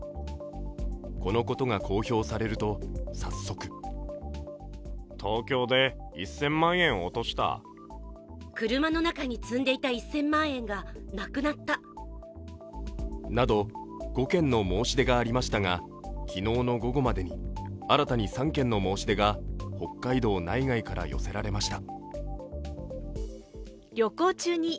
このことが公表されると早速５件の申し出がありましたが、昨日の午後までに新たに３件の申し出が北海道内外から寄せらました。